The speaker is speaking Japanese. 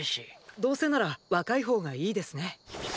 どうせなら若い方がいいですね。